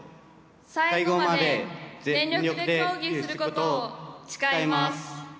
最後まで全力で競技することを誓います。